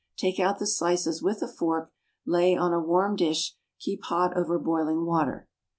Take out the slices with a fork, lay on a warmed dish; keep hot over boiling water.